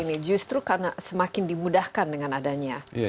ini justru karena semakin dimudahkan dengan adanya